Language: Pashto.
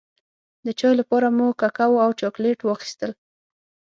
د چای لپاره مو ککو او چاکلېټ واخيستل.